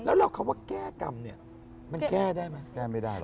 แล้วเราคำว่าแก้กรรมเนี่ยมันแก้ได้ไหมแก้ไม่ได้หรอ